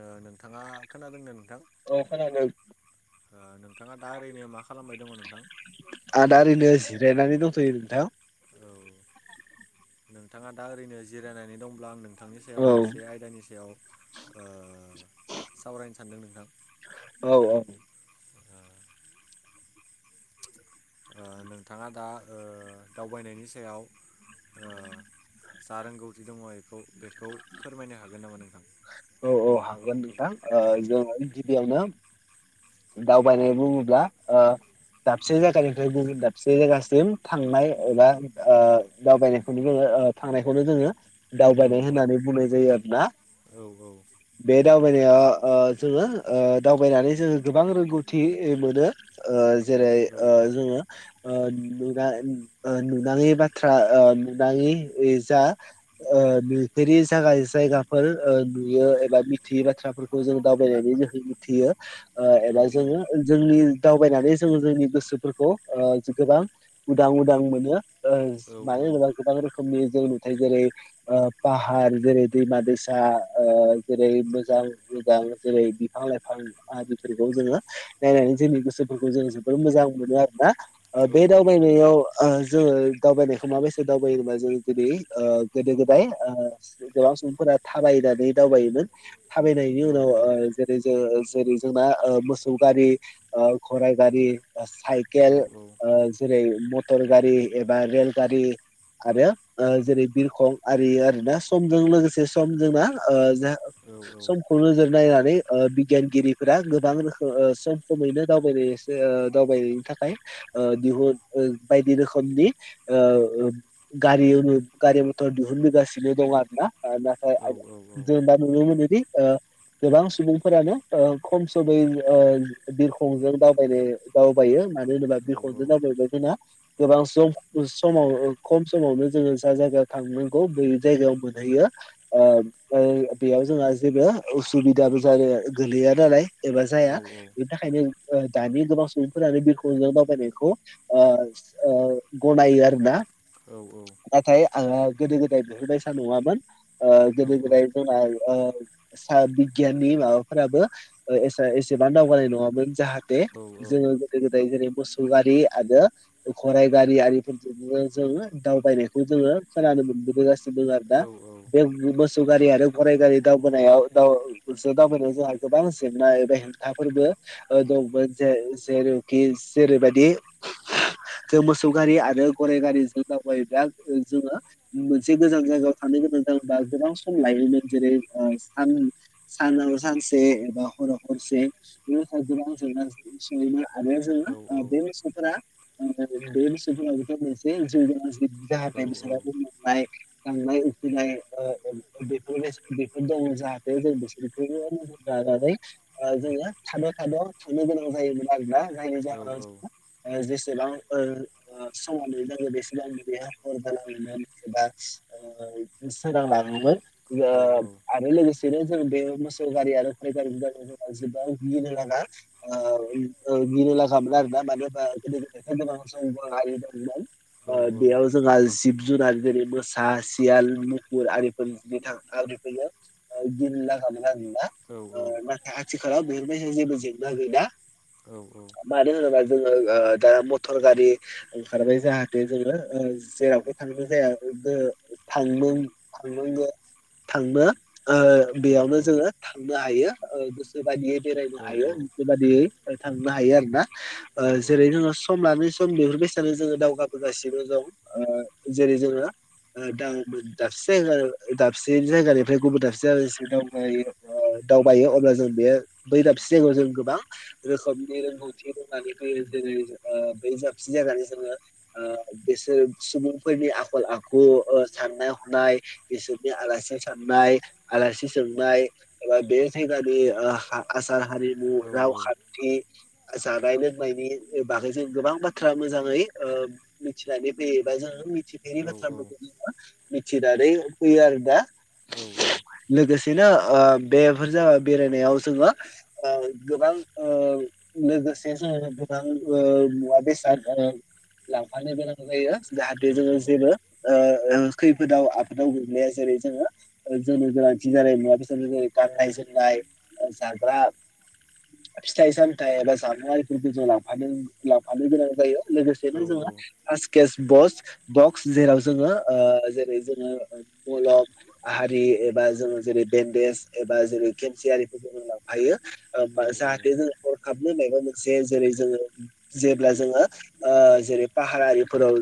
ओ नोंथाङा खोनादोंना? अ खोनादों। नोंथाङा दा ओरैनो मा खालामबाय दङ नोंथां? आदा ओरैनो [unintelligible] औ, नोंथाङा दा ओरैनो जिरायनानै दंब्ला आं [unintelligible] नोंथांनि सायाव औ मोनसे आयदानि सायाव ओ सावरायनो सानदों नोंथां। औ- औ। ओ नोंथाङा दा ओ दावबायनायनि सायाव ओ जा रोंगौथि दङ बेखौ -बेखौ फोरमायनो हागोन नामा नोंथां? औ- औ हागोन नोंथां जों गिबियावनो दावबायनाय बुङोब्ला ओ दाबसे जायगानिफ्राय गुबुन दाबसे जायगासिम थांनाय एबा ओ दावबायनायनखौनो जोङो थांनायखौनो जोङो ओ दावबायनाय औ होननानै बुंनाय जायो आरोना। बे दावबायनाया ओ जोङो ओ दावबायनानै जोङो गोबां रोंगौथि मोनो। ओ जेरै औ ओ जोङो ओ [unintelligible] नुनाङि बाथ्रा ओ नुनाङि जा ओ जेरै जायगा -जायगाफोर नुयो एबा मिथियै बाथ्राफोरखौ जों दावबायनानै जोहै मिथियो। ओ औ एबा जोङो जोंनि दावबायनानै जोङो जोंनि गोसोफोरखौ ओ गोबां उदां -उदां मोनो। ओ औ औ मानो होनोबा गोबां [unintelligible] जों नुथाय जेरै पाहार जेरै दैमा- दैसा ओ जेरै मोजां मोजां जेरै बिफां- लाइफां [unintelligible] [unintelligible] जोङो नायनानै जोंनि गोसोफोरखौ जोङो जोबोर मोजां मोनो आरोना। बे औ दावबायनायाव ओ जोङो दावबायनायखौ माबैसा दावबायो बा जेरै ओ गोदो- गोदाय ओ गोबां सुबुंफोरा थाबायनानै दावबायोमोन थाबायनायनि औ उनाव ओ जेरै जोङो [unintelligible] जोंना ओ मोसौ गारि ओ गराइ गारि साइकेल औ ओ जेरै मटर गारि एबा रेलगारि आरो ओ जेरै बिरखं आरि आरोना समजों लोगोसे सम जोंना ओ औ समखौ नोजोर नायनानै ओ बिगियानगिरि फोरा गोबां रोखोम [unintelligible] समैनो दावबाय ओ दावबायनायनि थाखाय ओ दिहुन ओ बायदि रोखोमनि ओ गारि गारि मथर दिहुनबोगासिनो दं आरो ना। नाथाय जों दा नुनो मोनोदि ओ गोबां सुबुंफोरानो ओ खम समै ओ बिरखंजों दावबायनो दावबायो। मानो होनोबा औ बिरखंजों [unintelligible] गोबां खम समाव खम समावनो जोङो जा जायगायाव थांनांगौ बै जायगायाव मोनहैयो। ओ बेयाव जोंहा जेबो उसुबिदाबो जाया गोग्लैया नालाय एबा जाया बिनि थाखायनो ओ दानि गोबां सुबुंफोरानो बिरखंजों दावबायनायखौ ओ ओ गनायो आरोना। औ औ। आङो गोदो गोदाय बिफोर बायदिसा नङामोन गोदो नोंथाङा गोदाय जोंना ओ [unintelligible] बिगियाननि माबाफोराबो ओ एसे एसेबां दावगानाय नङामोन जाहाथे जोङो गोदो गोद जेरै मोसौ गारि आरो गराइ गारि आरिफोरजों जोंङो दावबायनायखौ जोङो [unintelligible] मोसौ गारि आरो गराय गारि दावबोनायाव दाव [unintelligible] जोंहा गोबां जेंना एबा हेंथाफोरबो दंमोन जे जेरावखि जेरैबायदि जों मोसौ गारि आरो गराइ गारिजों दावबायोब्ला जोङो मोनसे गोजान जायगायाव थां [unintelligible] गोबां सम लायोमोन जेरै ओ सान सानाव सानसे एबा हराव हरसे बे गोबां जेंना जेंसियैनो आरो जोङो बे मोसौफोरा [unintelligible] गांनाय उखैनाय ओ बेफोर बेफोर दङ जाहाथे जों बिसोरफोर नोजोरनानै ओ जोंङो थाद' थाद' थांनो गोनां जायोमोन आरोना जायनि जाहोनाव ओ जबां ओ ओ समाव न लोगो बेसेबांं हर जालाङोमोन एबा सोरां ओ लांङोमोन। ओ आरो लोगोसेनो जों बे मोसौ गारि आरो [unintelligible] [unintelligible] [unintelligible] दंमोन बेयाव जोंहा जुनार जेरै मोसा सियाल मुफुर आरिफोरनि आरिफोरनो गिनो लागा [unintelligible] औ औ। आथिखालाव बेफोरबायसा जेबो जेंना गैया मानो होनोबा जोङो ओ दा मटर गारि ओंखारबाय जाहाथे जोङो ओ जेरावबो थांनो जाया [unintelligible] ओ बेयावनो जोङो थांनो हायो ओ गोसो बायदियै बेरायनो हायो गोसो बादियै थांनो हायो आरो ना ओ जेरै नोङो सम लानो सम बेफोरबायसानो जोङो दावगाबोगासिनो दं ओ जेरै जोङो [unintelligible] दाबसे जायगानिफ्राय गुबुन दाबसे [unintelligible] बायो अब्ला जों बे बै दाबसे जायगायाव जों गोबां रोखोमनि रोंगौथि रोंनानै फैयो जेरै ओ बै जाबसि जानानै जोङो ओ बिसोर सुबुंफोरनि आखल आखु ओ साननाय हनाय बिसोरनि आलासि साननाय आलासि सोंनाय एबा बे जायगानि ओ आसार हारिमु रावखान्थि जानाय लोंनायनि बागै जों गोबां बाथ्रा मोजाङै ओ मिथिनानै फैयोबा जों [unintelligible] मिथिनानै फैयो आरो ना। औ औ। लोगोसेनो ओ बे बेफोर जाबाय बेरायनायाव जोङो ओ गोबां ओ लोगोसे जोङो गोबां ओ मुवा बेसार ओ लांफानोबो नांगौ जायो। जाहाथे जोङो जेबो ओ ओ खैफोदाव आफोदाव गोग्लैया जेरै जोङो ओ जोंनो गोनांथि जानाय मुवा बेसादफोर जेरै गाननाय जोंमनाय, जाग्रा फिथाइ सामथाय एबा जामुआरिफोरखौ जों लांफानो लांफानो गोनां जायो। लोगोसेनो जोङो ओ [unintelligible] बस बक्स जेराव जोङो ओ जेरै जोङो मलम हारि ओ जोङो जेरै बेन्देज एबा जेरै खेमसेयारिफोरखौ जों लांफायो ओ जाहाथे जोङो खाबनो मायबा मोनसे जेरै जोङो जेब्ला जोङो ओ जेरै फाहारआरिफोराव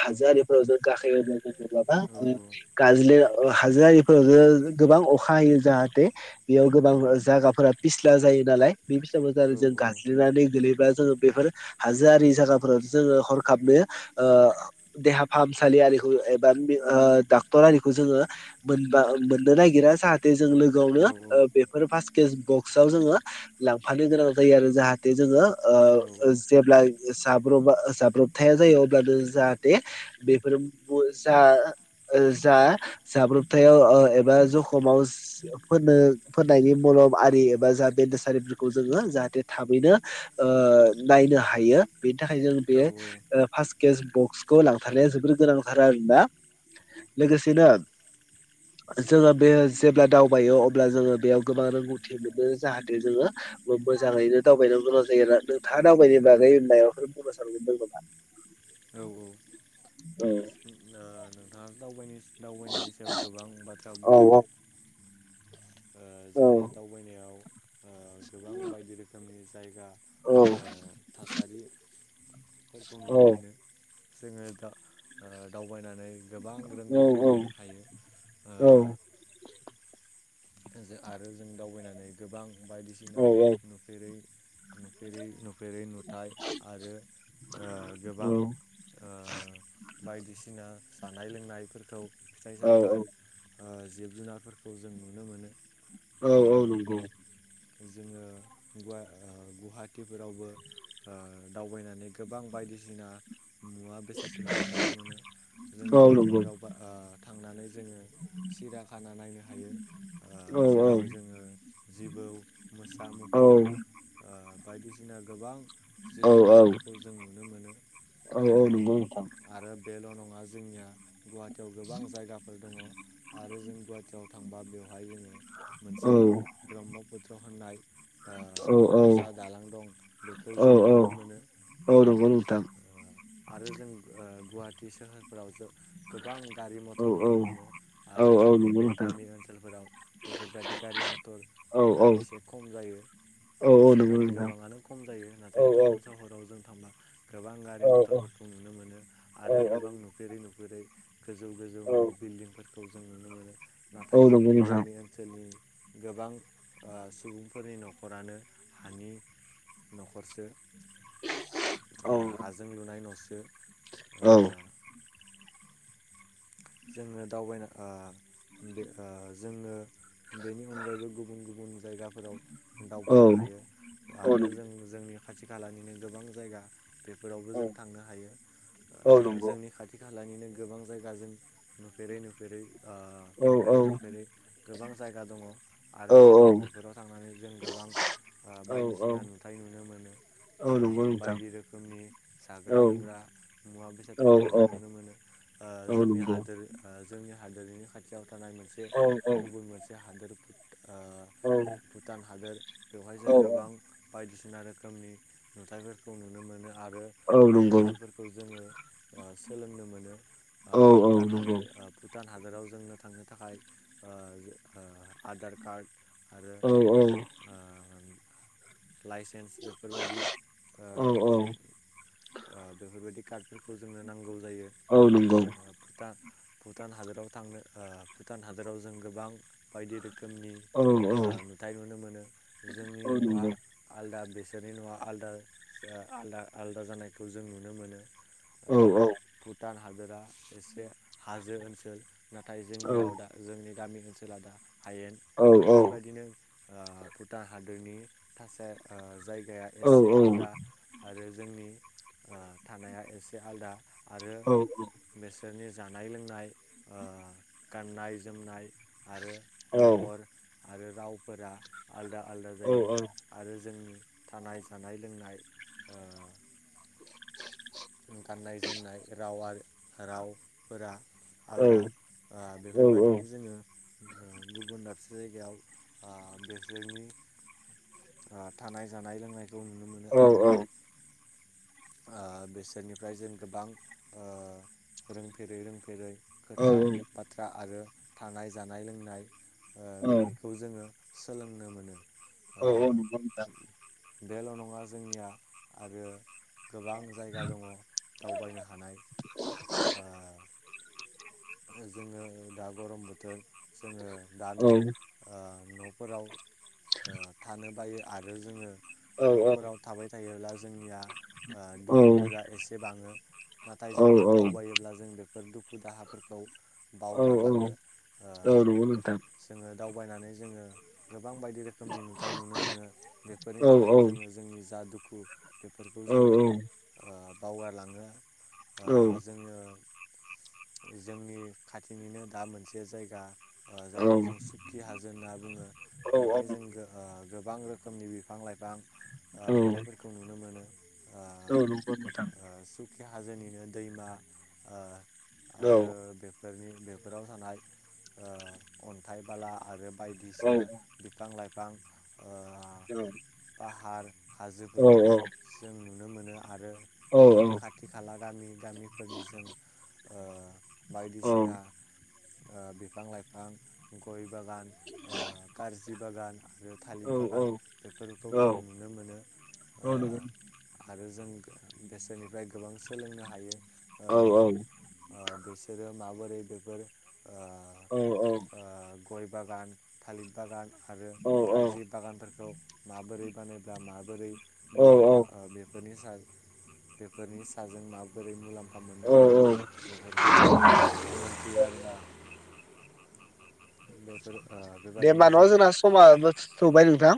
हाजो आरिफोराव जों गाखो [unintelligible] [unintelligible] गाज्लो ओ हाजोआरिफोराव जे गोबां अखा हायो जाहा थे बेयाव गोबां जागाफोरा फिस्ला जायो नालाय बे फिस्लाफोर जाहाथे गाज्लिनानै गोलै बा जोङो बेफोर हाजोआरि जागाफोराव जोङो हरखाबनो ओ देहा फासामसालि सालिखौ एबा ओ डाक्टर आरिखौ जोङो मोनबा मोननो नागिरा जाहाथे जों लो गोआवनो ओ बेफोर फास केेज बक्सवाव जोङो लांफानो गोनां जायो आरो जाहाथे जोङो ओ ओ जेब्ला जाब्रबा जाब्रबथाया जायो अब्लानो जाहाथे बेफोर जा ओ जा जाब्रबथायाव ओ एबा जखमाव फोरनो फोननायनि मलम आरि एबा जा बेन्डेजआरिफोरखौ जोङो जाहाथे थाबैनो ओ ओ नायनो हायो बेनि थाखाय जों बे ओ फार्स्ट केस बक्सखौ लांथारनाया जोबोर गोनांथार आरोना लोगोसेनो जोङो बे जेब्ला दाव बायो अब्ला जोङो बेयाव गोबां रोंगौथि मोनो जाहाथे जोङो मो-मोजाङैनो दावबायनो गोनां जायो आरो। नोंथाङा दावबायनायनि बागै माबाफोर बुंनो सानबावदों नामा? औ औ आ नोंथाङा दावबायनाय दावबायनायनि सायाव गोबां बाथ्रा औ बुंबोबाय। ओ औ जोंनिया दावबायनायाव ओ गोबां बायदि रोखोमनि जायगा औ ओ थासारि फोरखौ औ नुनो मोनो। जोङो दा ओ दाव बायनानै गोबां औ रोंगौथि मोननो हायो ओ औ जो आरो जों दावबायनानै गोबां बायदिसिना औ नुफेरै नुफेरै नुफेरै नुथाय आरो ओ गोबां ओ बायदिसिना जानाय लोंनायफोरखौ फिथाइ औ औ सामथाइ औ ओ जिब जुनारफोरखौ जों नुनो मोनो। औ औ ओ नंगौ। जोङो गुवाहा-गुवाहाटिफोरावबो ओ दावबायनानै गोबां बायदि सिना मुवा बेसादफोरखौ नुनो मोनो जों औ नंगौ गुवाहाटिफोरावबो ओ थांनानै जोङो सिरिया खाना नायनो हायो। औ ओ जेराव जोङो जिबौ, मोसा, औ मुफुर ओ ओ बायदिसिना गोबां जिब औ जुनारफोरखौ जों नुनो मोनो औ ओ औ नंगौ नोंथां आरो बेल' नङा। जोंनिया गुवाहाटियाव गोबां जायगाफोर दङ आरो जों गुवाहाटियाव थांबा बेयाव जोङो मोनसे औ ब्रह्मपुत्र होननाय ओ औ जा दालां दं बेखौ औ जों नुनो मोनो। औ नंगौ ओ नोंथां। आरो जों ओ गुवाहाटि सोहोरफोराव जोब गोबां गारि औ मथर औ नुनो मोनो औ आरो औ जोंनि नंगौ बे नोंथां गामि ओनसोल ओनसोलफोराव बेफोरबायदि गारि औ मथरफोरा औ एसे खम जायो। औ औ एसे नंगौ माने नोंथां गोबाङानो खम जायो औ नाथाय औ टाउन सहराव जों थांना गोबां गारि औ मथरफोरखौ नुनो मोनो औ आरो औ नंगौ नोंथां औ नंगौ औ गोबां नंगौ नुफेरै न जेरै गोजौ औ गोजौ औ न'आव बिल्डिंफोरखौ जों नुनो मोनो। औ नाथाय नंगौ जोंनि नोंथां गामि ओनसोलनि गोबां ओ सुबुंफोरनि न'खरानो हानि न'खरसो औ ओ हाजों लुनाय न'सो औ जोङो दावबायना ओ बे ओ जोङो बेनि अनगायैबो गुबुन गुबुन जायगाफोराव दावबायनो हायो। आरो जों जोंनि खाथि खालानिनो गोबां जायगा बेफोरावबो जों थांनो हायो ओ जोंनि खाथि खाला हालानिनो गोबां जायगाजों नुफेरै नुफेरै ओ थांफेरै थांफेरै गोबां जायगा दङ आरो जोङो बेफोराव थांनानै जों गोबां ओ बायदिसिना नुथाय नुनो मोनो। ओ बायदि रोखोमनि जाग्रा लोंग्रा मुवा बेसादफोरखौ जों औ नुनो औ मोनो। ओ जोंनि हा नंगौ ओ जोंनि हादोरनि खाथियाव थानाय मोनसे औ गुबुन मोनसे हादोर ओ भुटान हादोर बेवहाय जों औ गोबां बायदिसिना बिसिना रोखोमनि नुथायाइफोरखौ नुनो मोनो। आरो औ नंगौ रोंगौथिफोरखौ जोङो सोलोंनो मोनो। औ भुटान नंगौ हादोर भुटान हादोराव जोंनो थांनो थाखाय ओ ओ आधार कार्ड आरो औ ओ लाइसेन्स बेफोरबायदि ओ औ औ बेफोरबायदि कार्टखौ जोंनो नांगौ जायो औ नोंगौ ओ भुटान भुटान हादराव थांनो ओ भुटान हादराव जों गोबां बायदि रो खोमनिओ औ औ नुथाय नुनो मोनो जोंनि औ न'आ नंगौ आलदा बेसे बिसोरनि न'आ आलदा आलदा आलदा जानायखौ जों नुनो मोनो। ओ औ औ भुटान हादोरा एसे हाजो ओनसोल नाथाय जोंनियाव दा जोंनि गामि ओनसोला दा हायेन औ बेफोरबायदिनो ओ भुटान हादरनि थासा ओ जायग गाया एसे आलदा आरो जोंनि ओ थानाया एसे आलादा आरो बेसोरनि जानाय लोंनाय ओ गाननाय जोमनाय आरो महर आरो रावफोरा आलदा आलदा जायो आरो जोंनि थानाय जानाय लोंनाय ओ गाननाय जोमनाय राव आरो रावफोरा आलदा ओ बेफोरबायदिनो जोङो गुबुन दाबसे जायगायावओ बेसोरनि थानाय जानाय लोंनाय औ औ ओ बिसोरनिफ्राय जों गोबां रोंफेरै रोंफेरै खोथा औ बाथ्रा आरो थानाय जानाय लोंनाय औ बेफोरखौ जोङो सोलोंनो मोनो। ओ औ औ नोंथां [unintelligible] बेल' नङा जोंनिया आरो गोबां जायगा दङ दावबायनो हानाय जोङो दा गरम बोथोर जोङो दा न' ओ न' फोराव थानो बायो आरो जोङो न'फोराव थाबाय थायोब्ला ज जोंनिया ओ दुखुफोरा एसे बाङो नाथाय जोङो दावबायोब्ला जों बे बे दुखु दाहाफोरखौ बावगारलाङो जोङो दावबायनानै जोङो गोबां बायदि रोखोमनि नुथाय नुनो मोनो बेफोरनि थाखायनो जोङो जोंनि जा दुखु बेफोर खौ जोङो बावगारलाङो जोङो जोंनि खाथिनिनो दा मोनसे जायगा जायखौ जों सुक्खि हाजो होनना बुङो बेवहाय जों गोबां रोखोमनि बिफां लाइफां नुथाइफोरखौ नुनो मोनो द र नोंथां खखि हाजोनिनो दैमा आरो बे बेफोरनि बेफोराव थानाय अन्थाइ बाला आरो बायदिसिना बिफां लाइफां औ पाहार हाजोफोरखौ जों नुनो मोनो आरो बेफोरनि खाथि खाला गामि गामिफोरनि जों बायदिसिना बिफां लाइफां गय बागान खारजि बागान आरो थालिर औ बागान बेफोरखौ औ जों नुनो मोनो औ नंगौ आरो जों बेसोरनिफ्राय गोबां सोलोंनो हायो औ औ बिसोरो माबोरै बेफोर ओ औ औ ओ गय बागान थालिर बागान आरो औ कारजि बागानफोरखौ माबोरै बानायब्ला माबोरै औ मुलाम्फा बेफोरनि बेफोरनि साजों माबोरै मुलाम्फा औ औ [unintelligible] बेफोर ओ दे होनबा बेबादिनो न जों जोंना समाबो थौबाय नोंथां